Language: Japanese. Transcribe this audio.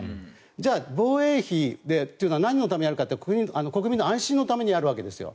じゃあ、防衛費というのはなんのためにやるかといったら国民の安心のためにあるわけですよ。